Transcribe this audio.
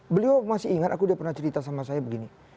beliau masih ingat aku udah pernah cerita sama saya begini